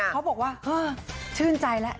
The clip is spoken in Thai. เขาบอกว่าชื่นใจแล้ว